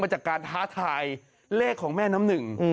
จากการท้าทายเลขของแม่น้ำหนึ่ง